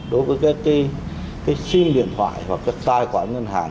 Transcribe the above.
đối với cái sim điện thoại hoặc cái tài khoản ngân hàng